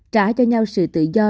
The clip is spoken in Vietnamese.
trả cho nhau sự tự do